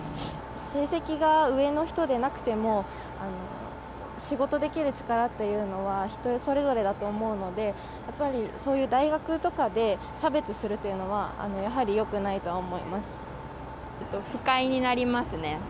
成績が上の人でなくても、仕事できる力っていうのは、人それぞれだと思うので、やっぱりそういう大学とかで差別するっていうのは、やはりよくな不快になりますね。